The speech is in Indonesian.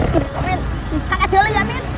kau tak jalan ya min